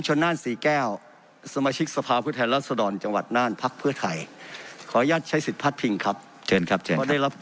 ใช้ศิษย์พาตปิงเชิญครับ